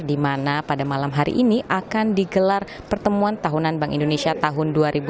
di mana pada malam hari ini akan digelar pertemuan tahunan bank indonesia tahun dua ribu dua puluh